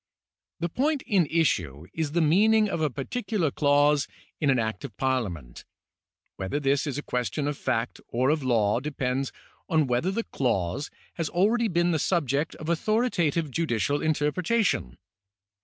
The point in issue is the meaning of a particular clause in an Act of Parliament. Whether this is a question of fact or of law, dejDends on whether the clause has already been the subject of authoritative judicial interjiretation.